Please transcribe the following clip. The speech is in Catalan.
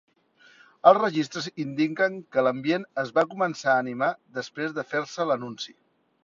Els registres indiquen que l'ambient es va començar a animar després de fer-se l'anunci.